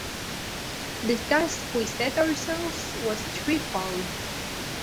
The task we set ourselves was threefold.